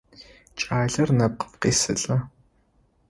Кӏалэр нэпкъым къесылӏэ.